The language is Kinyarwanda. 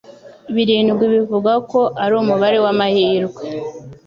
Birindwi bivugwa ko ari umubare wamahirwe.